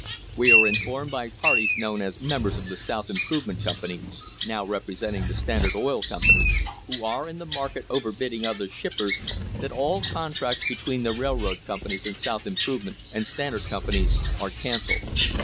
We are informed by parties known as members of the South Improvement Com pany, now representing the Standard Oil Company, who are in the market over bidding other shippers, that all contracts between the railroad companies and South V THE HISTORY OF THE STANDARD OIL COMPANY Improvement and Standard Companies are cancelled.